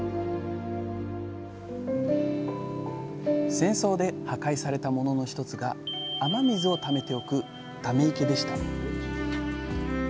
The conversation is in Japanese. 戦争で破壊されたものの１つが雨水をためておく「ため池」でした。